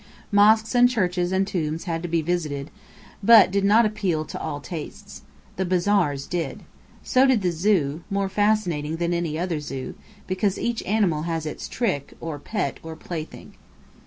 Mosques and churches and tombs had to be visited, but did not appeal to all tastes. The Bazaars did. So did the Zoo, more fascinating than any other zoo, because each animal has its trick, or pet, or plaything.